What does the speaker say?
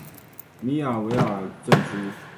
米尔维尔镇区。